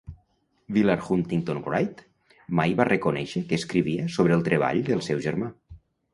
Willard Huntington Wright mai va reconèixer que escrivia sobre el treball del seu germà.